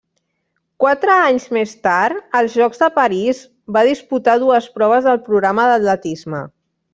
Quatre anys més tard, als Jocs de París, va disputar dues proves del programa d'atletisme.